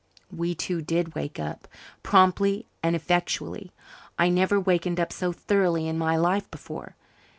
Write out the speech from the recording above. We two did wake up, promptly and effectually. I never wakened up so thoroughly in my life before.